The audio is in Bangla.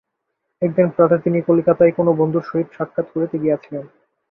একদিন প্রাতে তিনি কলিকাতায় কোন বন্ধুর সহিত সাক্ষাৎ করিতে গিয়াছিলেন।